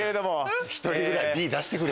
１人ぐらいＢ出してくれ。